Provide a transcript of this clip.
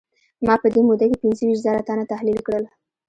ما په دې موده کې پينځه ويشت زره تنه تحليل کړل.